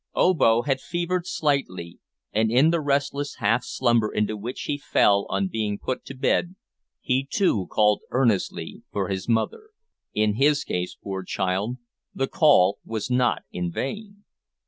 Obo had fevered slightly, and in the restless half slumber into which he fell on being put to bed, he, too, called earnestly for his mother. In his case, poor child, the call was not in vain.